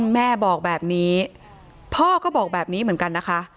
แม่บอกแบบนี้พ่อก็บอกแบบนี้เหมือนกันนะคะ